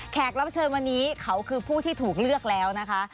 รับเชิญวันนี้เขาคือผู้ที่ถูกเลือกแล้วนะคะ